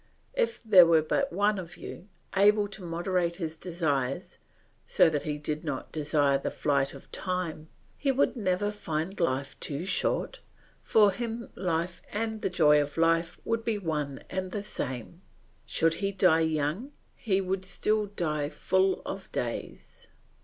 If there were but one of you, able to moderate his desires, so that he did not desire the flight of time, he would never find life too short; for him life and the joy of life would be one and the same; should he die young, he would still die full of days.